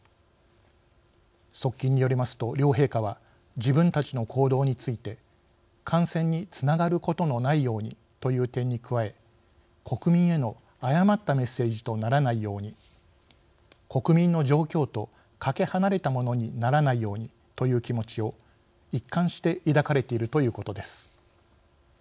側近によりますと、両陛下は自分たちの行動について「感染につながることのないように」という点に加え「国民への誤ったメッセージとならないように」「国民の状況とかけ離れたものにならないように」という気持ちを一貫して抱かれているということです。